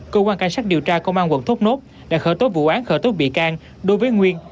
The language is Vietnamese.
cơ quan cảnh sát điều tra công an quận thốt nốt đã khởi tố vụ án khởi tố bị can đối với nguyên